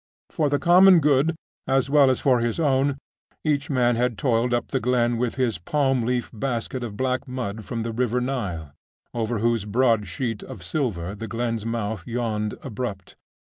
For the common good, as well as for his own, each man had toiled up the glen with his palm leaf basket of black mud from the river Nile, over whose broad sheet of silver the glen's mouth yawned abrupt.